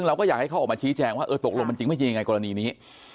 แล้วก็อยากให้เขาออกมาชี้แจงว่าตกลงมันจริงมั้ยยังไงกรณีนี้